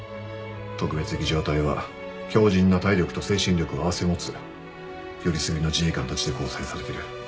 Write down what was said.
特別儀仗隊は強靱な体力と精神力を併せ持つよりすぐりの自衛官たちで構成されてる。